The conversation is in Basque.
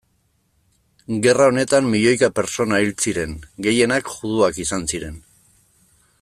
Gerra honetan milioika pertsona hil ziren, gehienak juduak izan ziren.